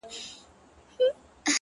دا عجیبه شاني درد دی! له صیاده تر خیامه!